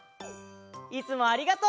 いつもありがとう！